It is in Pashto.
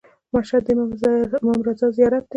مشهد د امام رضا زیارت دی.